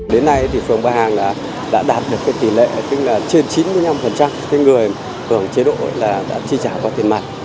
đến nay thì phường bà hàng đã đạt được tỷ lệ trên chín mươi năm người hưởng chế độ đã chi trả qua tiền mặt